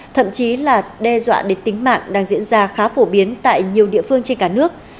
thậm chí là đe dọa đến tính mạng đang diễn ra khá phổ biến tại nhiều địa phương trên cả nước